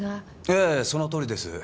ええそのとおりです。